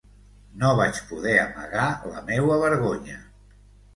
No vaig poder amagar la meua vergonya.